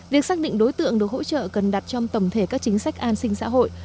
việc xác định đối tượng được hỗ trợ cần đặt trong tổng thể các chính sách an sinh xã hội